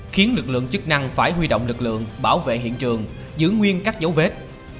khiến lực lượng chức năng phải huy động lực lượng bảo vệ hiện trường giữ nguyên các dấu vết